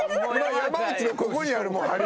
山内のここにあるもん針が。